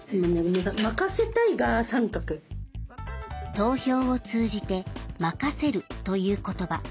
投票を通じて「任せる」という言葉。